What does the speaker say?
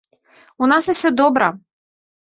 У нас усё добра.